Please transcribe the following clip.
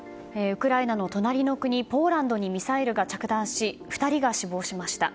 ウクライナの隣の国ポーランドにミサイルが着弾し２人が死亡しました。